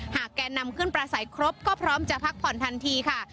แกนนำขึ้นประสัยครบก็พร้อมจะพักผ่อนทันทีค่ะ